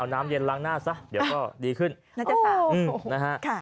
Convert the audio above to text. เอาน้ำเย็นล้างหน้าซะเดี๋ยวก็ดีขึ้นนะจ๊ะสาว